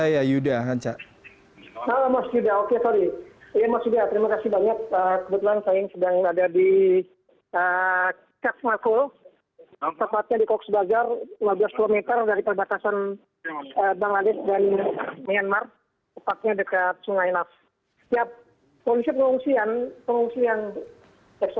ya terima kasih dengan siapa ini mas